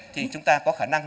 thì chúng ta có khả năng